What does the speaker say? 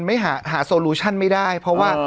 ไม่หาโซลูชั่นไม่ได้เพราะว่า